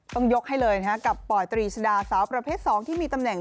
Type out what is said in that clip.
ต้องยกให้เลยนะฮะกับปอยตรีชดาสาวประเภท๒ที่มีตำแหน่ง